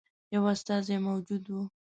یو استازی موجود وو.